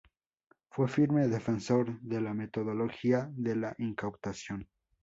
Fue firme defensor de la "metodología de la incautación".